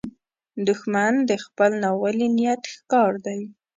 دښمن د خپل ناولي نیت ښکار دی